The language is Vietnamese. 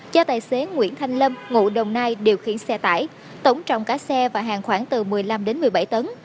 cho tài xế nguyễn thanh lâm ngụ đồng nai điều khiển xe tải tổng trọng cá xe và hàng khoảng từ một mươi năm một mươi bảy tấn